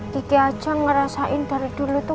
diki aja ngerasain dari dulu tuh